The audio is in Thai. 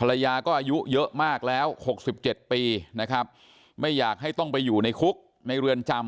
ภรรยาก็อายุเยอะมากแล้ว๖๗ปีนะครับไม่อยากให้ต้องไปอยู่ในคุกในเรือนจำ